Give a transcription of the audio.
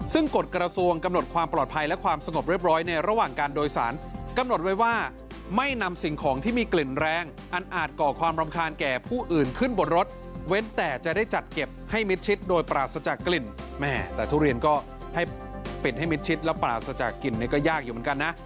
ซึ่งกฎกระทรวงกำหนดความปลอดภัยและความสงบเรียบร้อยในระหว่างการโดยสารกำหนดไว้ว่าไม่นำสิ่งของที่มีกลิ่นแรงอันอาจก่อความรำคาญแก่ผู้อื่นขึ้นบนรถเว้นแต่จะได้จัดเก็บให้มิดชิดโดยปราศจากกลิ่น